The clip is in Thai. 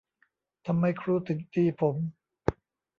ทำไมครูถึงตีผม